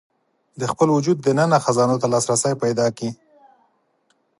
د خپل وجود دننه خزانو ته لاسرسی پيدا کړي.